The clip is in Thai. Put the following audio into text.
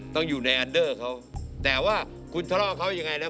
ต้องอยู่ในอันเดอร์เขาแต่ว่าคุณท่อเขายังไงนะ